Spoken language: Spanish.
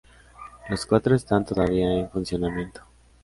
Los cuatro están todavía en funcionamiento.